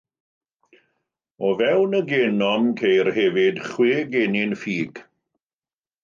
O fewn y genom ceir hefyd chwe genyn ffug.